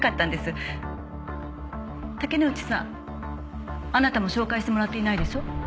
竹之内さんあなたも紹介してもらっていないでしょ？